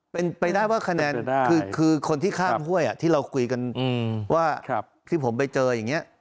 เป็นไปได้ว่าคะแนนคือคนที่ข้ามห้วยที่เราคุยกันว่าที่ผมไปเจออย่างนี้